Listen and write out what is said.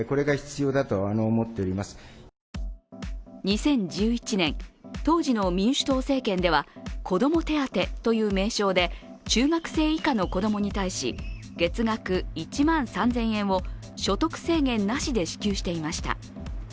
２０１１年、当時の民主党政権では子ども手当という名称で中学生以下の子供に対し月額１万３０００円を所得制限なしで支給していました。